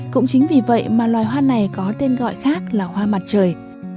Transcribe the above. cũng chính vì vậy mà loài hoa này có tên gọi khác là hoa mặt trời